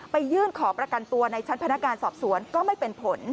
ยื่นขอประกันตัวในชั้นพนักงานสอบสวนก็ไม่เป็นผล